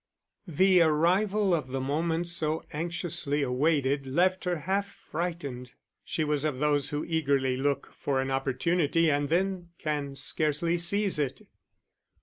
The arrival of the moment so anxiously awaited left her half frightened; she was of those who eagerly look for an opportunity and then can scarcely seize it.